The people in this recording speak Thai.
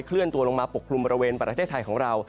เลื่อนตัวลงมาปกคลุมบริเวณประเทศไทยของเรา